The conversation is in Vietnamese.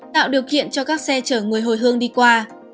tạo điều kiện cho các xe chở người hồi hương đi qua